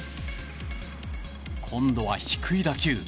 今度は、低い打球。